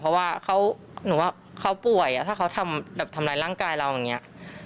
เพราะว่าหนูว่าเขาป่วยถ้าเขาทำร้ายร่างกายเราอย่างนี้